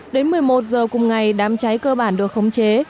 đến một mươi một h cùng ngày đám cháy cơ bản được khống chế